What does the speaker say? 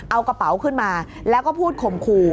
เอากระเป๋าขึ้นมาแล้วก็พูดข่มขู่